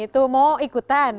itu mau ikutan